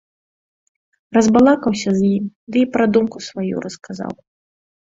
Разбалакаўся з ім ды і пра думку сваю расказаў.